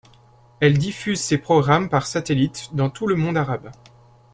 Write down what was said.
Elle diffuse ses programmes par satellite dans tout le monde arabe.